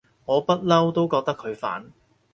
我不嬲都覺得佢煩